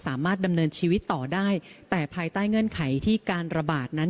สามารถดำเนินชีวิตต่อได้แต่ภายใต้เงื่อนไขที่การระบาดนั้น